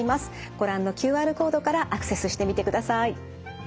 ご覧のＱＲコードからアクセスしてみてください。